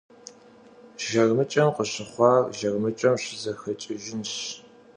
Jjarmıç'em khışıxhuar jjarmıç'em şızexeç'ıjjınş.